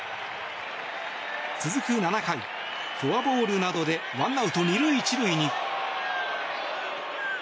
続く７回フォアボールなどでワンアウト２塁１塁に。